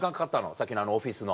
さっきのあのオフィスの。